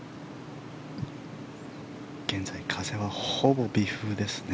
現在、風はほぼ微風ですね。